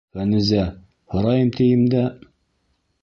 Фәнүзә, һорайым тием дә...